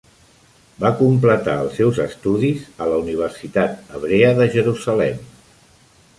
Va completar els seus estudis a la Universitat Hebrea de Jerusalem.